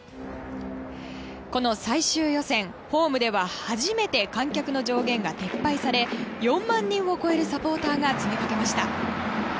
この最終予選、ホームでは初めて観客の上限が撤廃され４万人を超えるサポーターが詰めかけました。